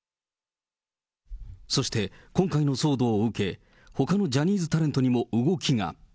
そして、今回の騒動を受け、ほかのジャニーズタレントにも動きが。